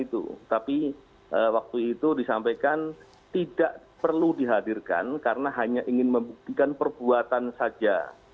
tapi waktu itu disampaikan tidak perlu dihadirkan karena hanya ingin membuktikan perbuatan saja